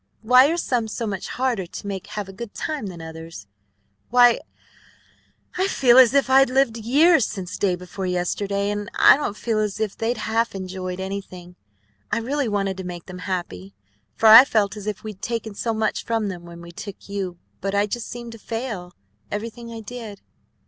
Why are some so much harder to make have a good time than others? Why, I feel as if I'd lived years since day before yesterday, and I don't feel as if they'd half enjoyed anything. I really wanted to make them happy, for I felt as if we'd taken so much from them when we took you; but I just seemed to fail, everything I did."